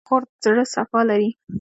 خور د زړه صفا لري.